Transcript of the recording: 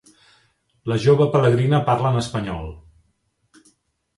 La jove pelegrina parla en espanyol.